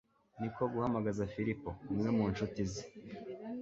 ni ko guhamagaza filipo, umwe mu ncuti ze